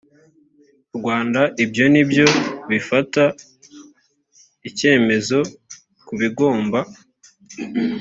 rwanda ibyo nibyo bifata icyemezoku bigomba